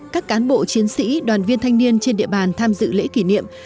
các cán bộ chiến sĩ đoàn viên thanh niên trên địa bàn tham dự lễ kỷ niệm